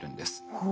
ほう。